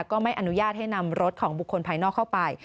ก็ไม่อนุญาตให้นำรถของบุคคลภายนอกเข้าไป